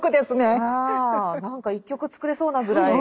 何か一曲作れそうなぐらい。